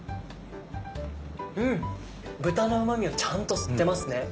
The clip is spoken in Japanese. うん豚のうまみをちゃんと吸ってますね。